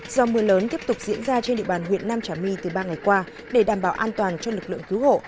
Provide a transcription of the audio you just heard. do mưa lớn tiếp tục diễn ra trên địa bàn huyện nam trà my từ ba ngày qua để đảm bảo an toàn cho lực lượng cứu hộ